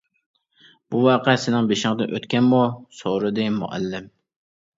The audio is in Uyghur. -بۇ ۋەقە سېنىڭ بېشىڭدىن ئۆتكەنمۇ؟ -سورىدى مۇئەللىم.